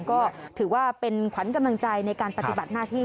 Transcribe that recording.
ก็ถือว่าเป็นขวัญกำลังใจในการปฏิบัติหน้าที่